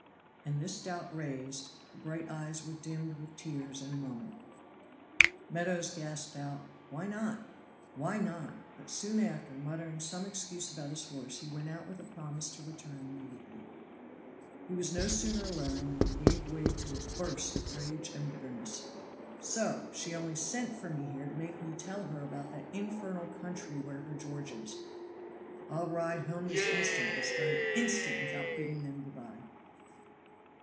And this doubt raised, the bright eyes were dimmed with tears in a moment. Meadows gasped out, "Why not? why not?" but soon after, muttering some excuse about his horse, he went out with a promise to return immediately. He was no sooner alone than he gave way to a burst of rage and bitterness. "So, she only sent for me here to make me tell her about that infernal country where her George is. I'll ride home this instant this very instant without bidding them good by."